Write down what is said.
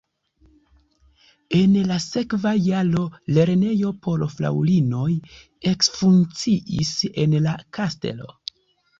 En la sekva jaro lernejo por fraŭlinoj ekfunkciis en la kastelo.